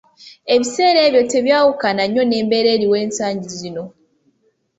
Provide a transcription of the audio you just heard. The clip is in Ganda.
Ebiseera ebyo tebyawukanako nnyo n'embeera eriwo ensangi zino.